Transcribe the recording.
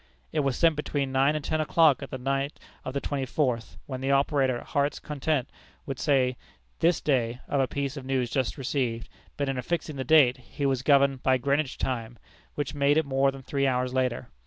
It was sent between nine and ten o'clock at night of the twenty fourth, when the operator at Heart's Content would say this day of a piece of news just received, but in affixing the date, he was governed by Greenwich time, which made it more than three hours later.